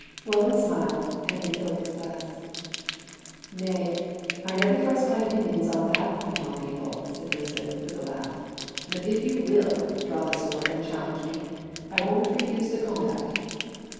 Welland smiled and re filled his glass. "Nay, I never thrust my opinions on that point on people," said Brisbane, with a laugh, "but if you will draw the sword and challenge me, I won't refuse the combat!"